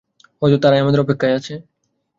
হয়ত তারাই আমাদের অপেক্ষায় আছে।